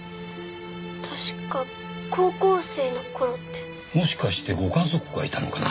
確か高校生の頃ってもしかしてご家族がいたのかな？